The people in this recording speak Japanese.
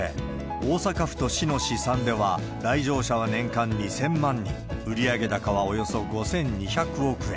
大阪府と市の試算では、来場者は年間２０００万人、売上高はおよそ５２００億円。